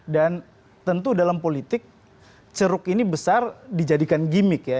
dan tentu dalam politik ceruk ini besar dijadikan gimmick ya